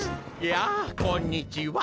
やあこんにちは。